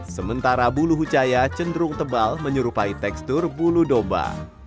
sementara bulu hucaya cenderung tebal menyerupai tekstur bulu domba